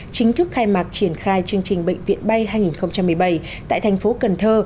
chính thức khai mạc triển khai chương trình bệnh viện bay hai nghìn một mươi bảy tại thành phố cần thơ